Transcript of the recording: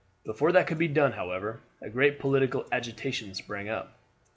Before that could be done, however, a great political agitation sprang up.